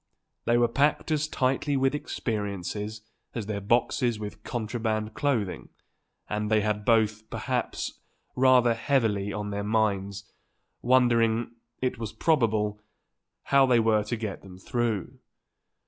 They were packed as tightly with experiences as their boxes with contraband clothing, and they had both, perhaps, rather heavily on their minds, wondering, it was probable, how they were to get them through.